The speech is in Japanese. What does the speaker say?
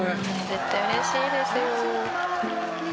「絶対嬉しいですよ」